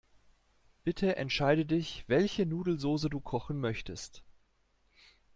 Bitte entscheide dich, welche Nudelsoße du kochen möchtest.